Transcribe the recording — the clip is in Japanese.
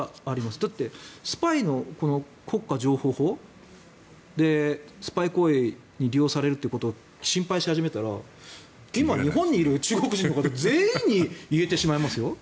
だって、スパイの国家情報法スパイ行為に利用されるということを心配し始めたら今、日本にいる中国人の方全員に言えてしまいますよ。